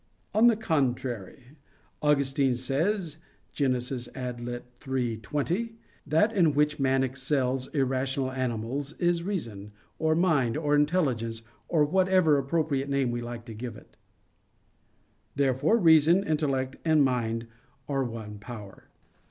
On the contrary, Augustine says (Gen. ad lit. iii, 20) that "that in which man excels irrational animals is reason, or mind, or intelligence or whatever appropriate name we like to give it." Therefore, reason, intellect and mind are one power.